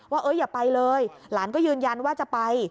อย่าไปเลยหลานก็ยืนยันว่าจะไป